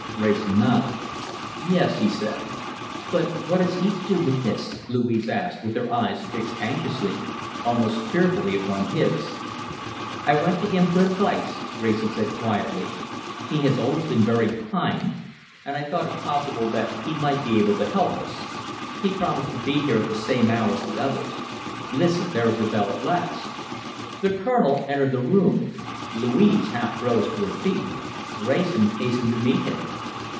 Wrayson nodded. "Yes!" he said. "But what has he to do with this?" Louise asked, with her eyes fixed anxiously, almost fearfully, upon his. "I went to him for advice," Wrayson said quietly. "He has been always very kind, and I thought it possible that he might be able to help us. He promised to be here at the same hour as the others. Listen! There is the bell at last." The Colonel entered the room. Louise half rose to her feet. Wrayson hastened to meet him.